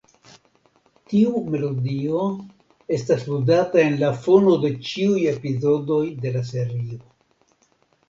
Tiu melodio estas ludata en la fono de ĉiuj epizodoj de la serio.